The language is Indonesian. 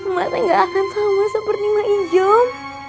maknya gak akan sama seperti mak ijom